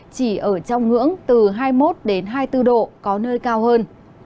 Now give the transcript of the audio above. chỉ ở trong ngưỡng từ hai mươi một hai mươi bốn độ có nơi cao hơn